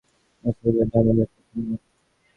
বাস্তবিক এটাই আমাদের প্রথম মঠ।